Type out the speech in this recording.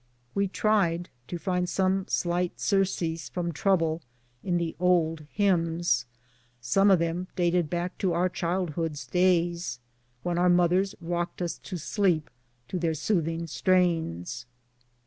We tried to find some slight sur cease from trouble in the old hymns: some of them dated back to our childhood's days, when our mothers rocked us to sleep to their soothing strains.